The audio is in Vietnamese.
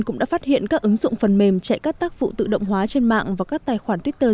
cũng đã phát hiện các ứng dụng phần mềm chạy các tác vụ tự động hóa trên mạng và các tài khoản twitter